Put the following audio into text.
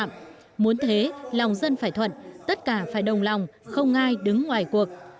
muốn thế lòng dân phải thuận tất cả phải đồng lòng không ai đứng ngoài cuộc